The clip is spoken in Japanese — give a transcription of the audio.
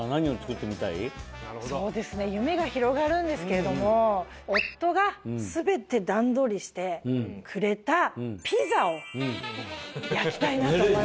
そうですね夢が広がるんですけれども夫が全て段取りしてくれたピザを焼きたいなと思います。